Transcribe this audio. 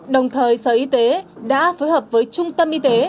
đồng thời sở y tế đã phối hợp với trung tâm y tế